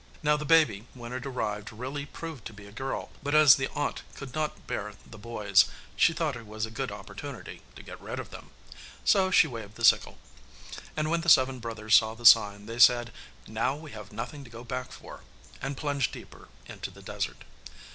Now the baby when it arrived really proved to be a girl, but as the aunt could not bear the boys, she thought it was a good opportunity to get rid of them. So she waved the sickle. And when the seven brothers saw the sign they said, 'Now we have nothing to go back for,' and plunged deeper into the desert.